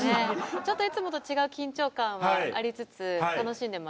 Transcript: ちょっといつもと違う緊張感はありつつ楽しんでます。